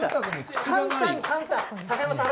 簡単、簡単。